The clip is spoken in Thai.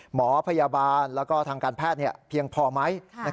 หมอพยาบาลแล้วก็ทางการแพทย์เพียงพอไหม